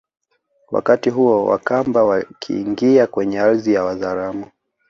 Wakati huo Wakamba wakiingia kwenye ardhi ya Wazaramo